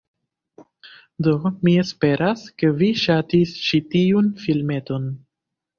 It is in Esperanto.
Do, mi esperas, ke vi ŝatis ĉi tiun filmeton